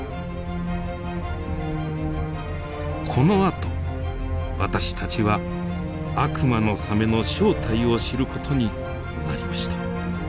このあと私たちは悪魔のサメの正体を知る事になりました。